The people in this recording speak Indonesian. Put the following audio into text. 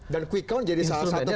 dan kuikang jadi salah satu variabelnya